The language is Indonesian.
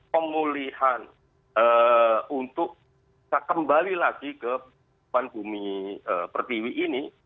kemulihan untuk kita kembali lagi ke bumi pertiwi ini